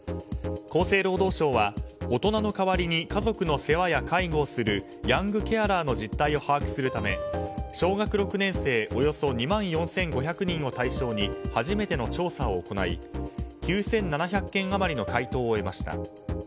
厚生労働省は、大人の代わりに家族の世話や介護をするヤングケアラーの実態を把握するため小学６年生およそ２万４５００人を対象に初めての調査を行い９７００件余りの回答を得ました。